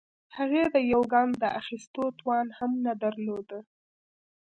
هغې د يوه ګام د اخيستو توان هم نه درلوده.